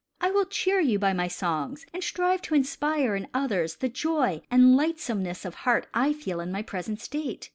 I will cheer you by my songs and strive to inspire in others the joy and lightsomeness of heart I feel in my present state.